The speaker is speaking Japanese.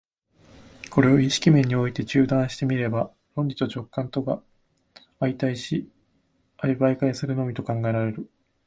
これを意識面において中断して見れば、論理と直覚とが相対立し相媒介するとのみ考えられる。